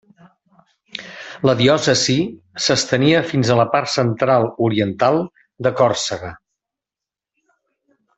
La diòcesi s'estenia fins a la part central-oriental de Còrsega.